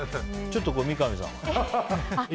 ちょっと三上さん。